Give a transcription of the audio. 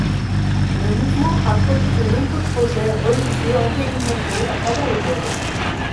Le mouvement a produit de nombreux projets religieux-environnementaux à travers le monde.